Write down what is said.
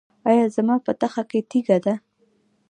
ایا زما په تخه کې تیږه ده؟